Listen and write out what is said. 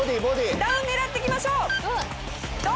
ダウン狙っていきましょう。